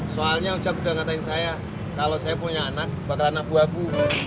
soalnya ujak udah ngatain saya kalau saya punya anak bakalan abu abu